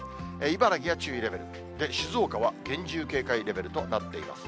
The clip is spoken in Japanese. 茨城は注意レベル、静岡は厳重警戒レベルとなっています。